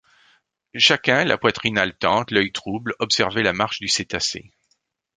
Chacun, la poitrine haletante, l’œil trouble, observait la marche du cétacé.